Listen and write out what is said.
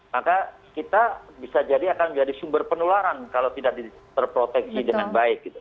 maka kita bisa jadi akan jadi sumber penularan kalau tidak terproteksi dengan baik